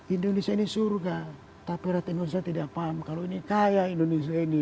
indonesia ini surga tapi rakyat indonesia tidak paham kalau ini kaya indonesia ini